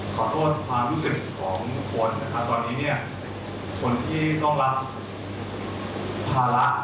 ขอโทษความรู้สึกของทุกคนนะครับตอนนี้เนี่ยคนที่ต้องรับภาระ